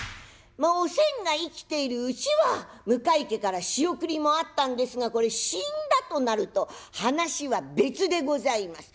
おせんが生きているうちは向井家から仕送りもあったんですがこれ死んだとなると話は別でございます。